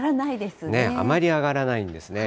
あまり上がらないんですね。